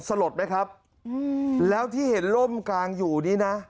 สลดไหมครับแล้วที่เห็นล่มกางอยู่นี่นะ